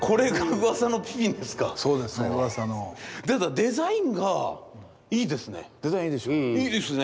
デザインがいいですね。